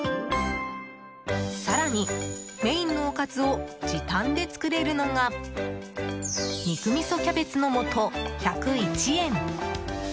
更にメインのおかずを時短で作れるのが肉みそキャベツの素１０１円。